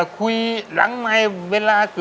ใครขอ